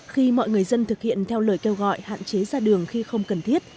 khi mọi người dân thực hiện theo lời kêu gọi hạn chế ra đường khi không cần thiết